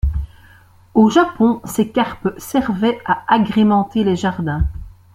Au Japon, ces carpes servaient à agrémenter les jardins.